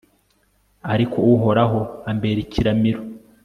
ariko uhoraho ambera ikiramiro